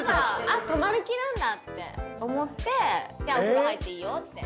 「あっ泊まる気なんだって思って“じゃあお風呂入っていいよ”って」